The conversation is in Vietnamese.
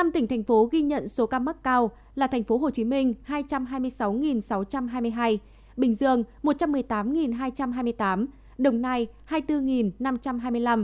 năm tỉnh thành phố ghi nhận số ca mắc cao là thành phố hồ chí minh hai trăm hai mươi sáu sáu trăm hai mươi hai bình dương một trăm một mươi tám hai trăm hai mươi tám đồng nai hai mươi bốn năm trăm hai mươi năm